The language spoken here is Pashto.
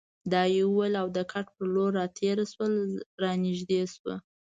دا یې وویل او د کټ په لور راتېره شول، را نږدې شوه.